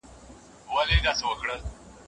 وځم له كوره